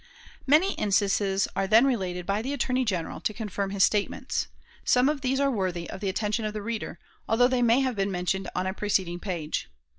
Many instances are then related by the Attorney General to confirm his statements. Some of these are worthy of the attention of the reader, although they may have been mentioned on a preceding page.